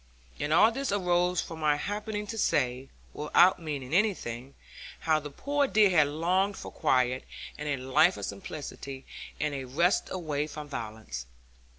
And all this arose from my happening to say, without meaning anything, how the poor dear had longed for quiet, and a life of simplicity, and a rest away from violence!